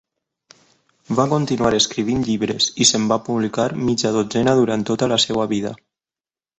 Va continuar escrivint llibres, i se'n van publicar mitja dotzena durant tota la seva vida.